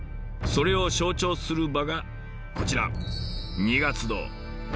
それを象徴する場がこちら二月堂。